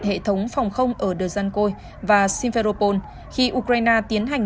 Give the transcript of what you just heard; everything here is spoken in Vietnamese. hệ thống phòng không ở dozhenkoi và simferopol khi ukraine tiến hành